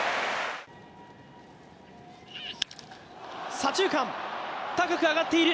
左中間、高く上がっている。